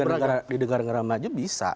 bisa kalau di negara negara maju bisa